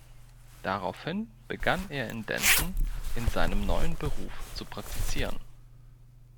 Daraufhin begann er in Denton in seinem neuen Beruf zu praktizieren.